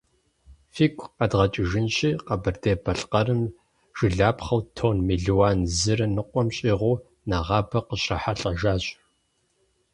Фигу къэдгъэкӏыжынщи, Къэбэрдей-Балъкъэрым жылапхъэу тонн мелуан зырэ ныкъуэм щӏигъу нэгъабэ къыщрахьэлӏэжащ.